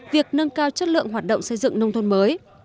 việc nâng cao chất lượng hoạt động xây dựng nông thôn mới